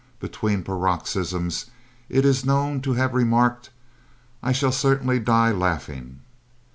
Between paroxysms it is known to have remarked: "I shall certainly die laughing."